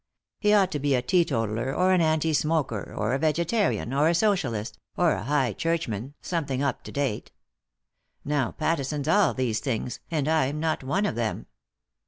He ought to be a teeto taller or an anti smoker, or a vegetarian, or a Socialist, or a High Churchman, something up to date. Now Pattison's all these things, and I'm not one of them."